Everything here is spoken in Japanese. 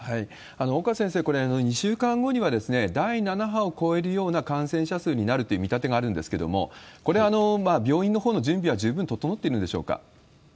岡先生、これ、２週間後には第７波を超えるような感染者数になるという見立てがあるんですけれども、これ、病院のほうの準備は十分整ってるんでしょうか。